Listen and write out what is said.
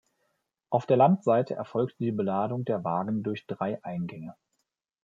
Auf der Landseite erfolgte die Beladung der Wagen durch drei Eingänge.